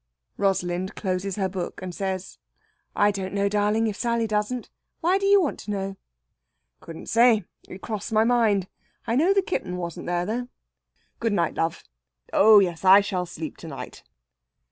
Rosalind closes her book and says: "I don't know, darling, if Sally doesn't. Why do you want to know?" "Couldn't say. It crossed my mind. I know the kitten wasn't there, though. Good night, love.... Oh yes, I shall sleep to night.